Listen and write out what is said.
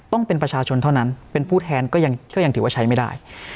ต้องเป็นประชาชนเท่านั้นเป็นผู้แทนก็ยังถือว่าใช้ไม่ได้